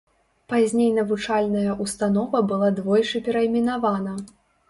Пазней навучальная ўстанова была двойчы перайменавана.